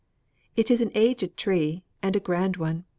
It is an aged tree, and a grand one.